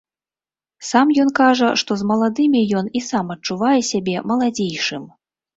Сам ён кажа, што з маладымі ён і сам адчувае сябе маладзейшым.